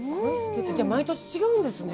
毎年違うんですね。